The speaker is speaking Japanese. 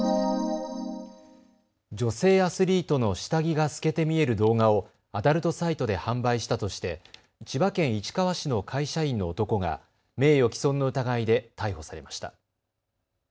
女性アスリートの下着が透けて見える動画をアダルトサイトで販売したとして千葉県市川市の会社員の男が名誉毀損の疑いで逮捕されました。